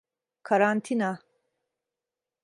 Karantina.